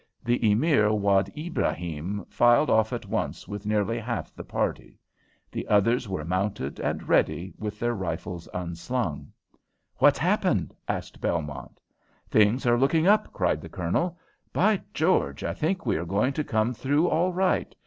The Emir Wad Ibrahim filed off at once with nearly half the party. The others were mounted and ready, with their rifles unslung. "What's happened?" asked Belmont. "Things are looking up," cried the Colonel. "By George, I think we are going to come through all right.